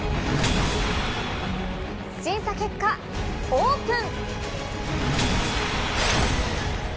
審査結果、オープン。